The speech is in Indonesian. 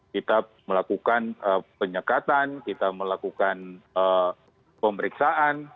kita melakukan penyekatan kita melakukan pemeriksaan